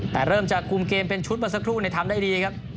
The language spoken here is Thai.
แต่เริ่มจะคุมเกมเป็นชุดเมื่อสักครู่ทำได้ดีครับ